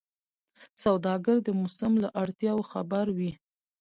سوداګر د موسم له اړتیاوو خبر وي.